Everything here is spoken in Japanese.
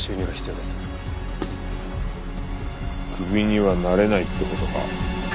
クビにはなれないって事か。